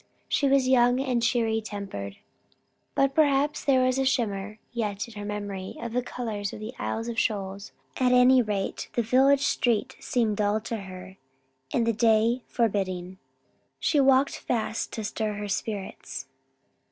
She was young and cheery tempered; but perhaps there was a shimmer yet in her memory of the colours on the Isles of Shoals; at any rate the village street seemed dull to her and the day forbidding. She walked fast, to stir her spirits.